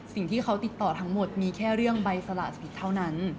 สิ่งที่เขาติดต่อทั้งหมดมีแค่เรื่องใบสละสผิดเท่านั้น